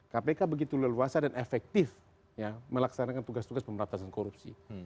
kpk begitu leluasa dan efektif melaksanakan tugas tugas pemberantasan korupsi